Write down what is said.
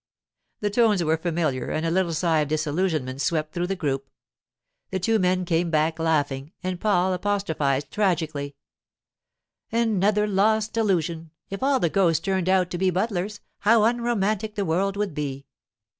The tones were familiar, and a little sigh of disillusionment swept through the group. The two men came back laughing, and Paul apostrophized tragically: 'Another lost illusion! If all the ghosts turned out to be butlers, how unromantic the world would be!